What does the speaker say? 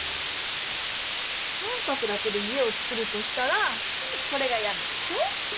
三角だけで家をつくるとしたらこれが「やね」でしょ。